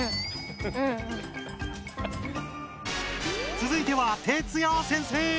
つづいてはＴＥＴＳＵＹＡ先生！